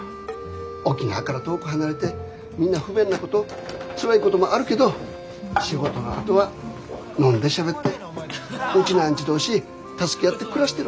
沖縄から遠く離れてみんな不便なことつらいこともあるけど仕事のあとは飲んでしゃべってウチナーンチュ同士助け合って暮らしてるわけ。